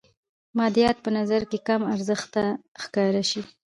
مادیات په نظر کې کم ارزښته ښکاره شي.